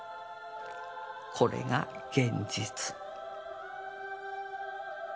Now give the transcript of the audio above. これが現実。